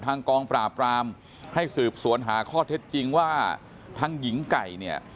ทางกองปราบรามให้สืบสวนหาข้อเท็จจริงว่าทางหญิงไก่เนี่ย